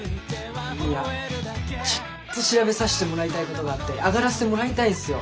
いやちょっと調べさしてもらいたいことがあって上がらせてもらいたいんすよ。